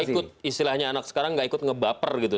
tidak ikut istilahnya anak sekarang tidak ikut ngebaper gitu